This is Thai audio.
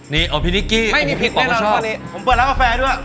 มีแฟนแล้ว